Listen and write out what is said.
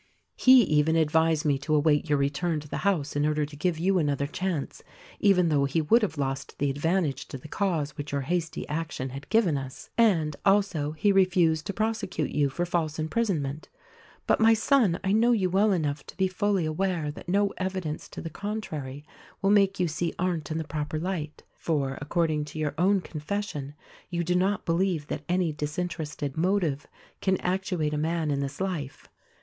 He even advised me to await your return to the house in order to give you another chance, even though he would have lost the advantage to the cause which your hasty action had given us — and, also, he refused to prosecute you for false imprisonment. But, my son, I know you well enough to be fully aware that no evidence to the con trary will make you see Arndt in the proper light; for, according to your own confession, you do not believe that any disinterested motive can actuate a man in this life.